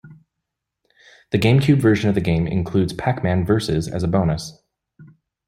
The GameCube version of the game includes Pac-Man Versus as a bonus.